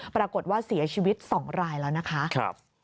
ปรากฏว่าเสียชีวิต๒รายแล้วนะคะ